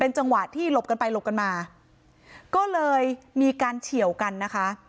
จังหวะที่หลบกันไปหลบกันมาก็เลยมีการเฉียวกันนะคะ